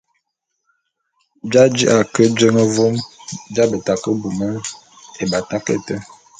J’aji’a ke jeñe vôm j’abeta ke bume ébatak été.